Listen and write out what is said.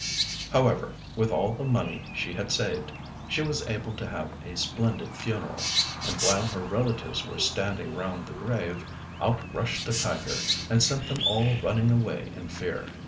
However, with all the money she had saved, she was able to have a splendid funeral; and while her relatives were standing round the grave, out rushed a tiger, and sent them all running away in fear.